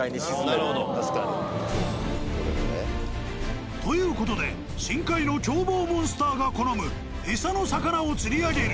どれどれ。という事で深海の狂暴モンスターが好む餌の魚を釣り上げる。